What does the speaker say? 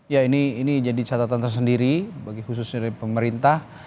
ya ini jadi catatan tersendiri bagi khususnya dari pemerintah